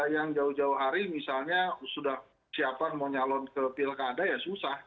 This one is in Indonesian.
yang jauh jauh hari misalnya sudah siapan mau nyalon ke pilkada ya susah